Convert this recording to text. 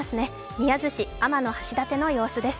宮津市、天橋立の様子です。